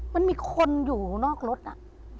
มันมีคนอยู่นอกรถอ่ะ